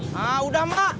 nah udah mbak